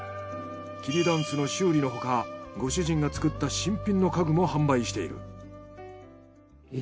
桐だんすの修理の他ご主人が作った新品の家具も販売している。